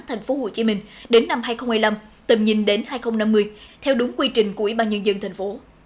tp hcm đến năm hai nghìn hai mươi năm tầm nhìn đến hai nghìn năm mươi theo đúng quy trình của ủy ban nhân dân thành phố